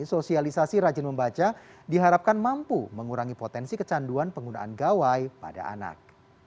sosialisasi rajin membaca diharapkan mampu mengurangi potensi kecanduan penggunaan gawai pada anak